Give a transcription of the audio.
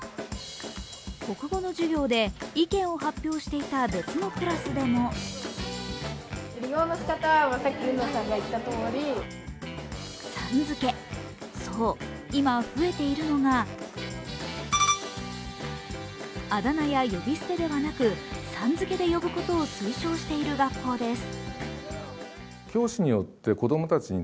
国語の授業で意見を発表していた別のクラスでもさん付け、そう、今、増えているのがあだ名や呼び捨てではなく、さん付けで呼ぶことを推奨している学校です。